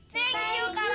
thank you karangga